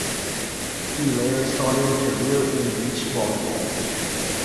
She later started a career in beach volleyball.